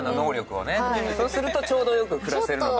そうするとちょうどよく暮らせるのかもしれない。